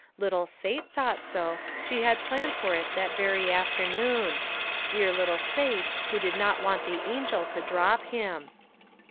Little Sate thought so; she had planned for it that very afternoon. Dear little Sate who did not want the angel to drop him.